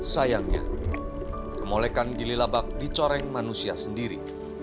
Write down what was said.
sayangnya kemolekan gili labak dicoreng manusia sendiri